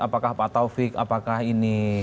apakah pak taufik apakah ini